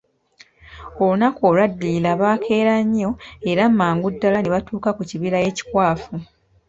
Olunaku olwadirira baakeera nnyo era mangu ddala ne batuuka ku kibira ekikwafu.